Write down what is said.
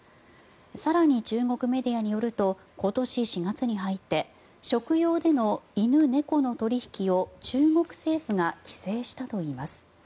更に、中国メディアによると今年４月に入って食用での犬、猫の取引を中国政府が規制したといいます。